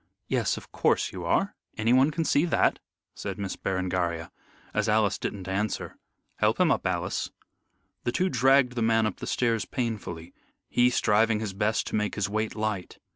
"Yes, of course you are. Anyone can see that," said Miss Berengaria, as Alice didn't answer. "Help him up, Alice." The two dragged the man up the stairs painfully, he striving his best to make his weight light.